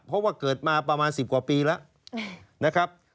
เพราะว่าเกิดมาประมาณ๑๐กว่าปีแล้วนะครับ